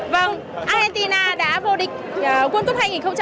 vâng argentina đã vô địch world cup hai nghìn hai mươi